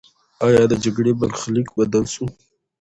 آیا د جګړې برخلیک بدل سو؟